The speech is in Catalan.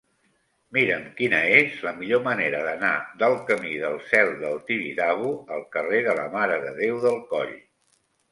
Mira'm quina és la millor manera d'anar del camí del Cel del Tibidabo al carrer de la Mare de Déu del Coll.